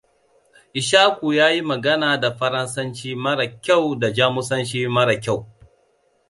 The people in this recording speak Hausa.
Ishaku ya yi magana da Faransanci mara kyau da Jamusanci mara kyau.